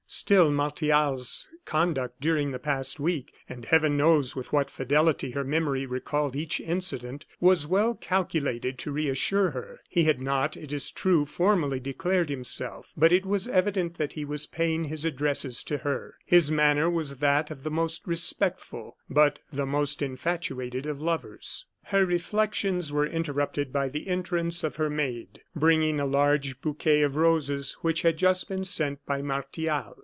Still Martial's conduct during the past week and Heaven knows with what fidelity her memory recalled each incident was well calculated to reassure her. He had not, it is true, formally declared himself, but it was evident that he was paying his addresses to her. His manner was that of the most respectful, but the most infatuated of lovers. Her reflections were interrupted by the entrance of her maid, bringing a large bouquet of roses which had just been sent by Martial.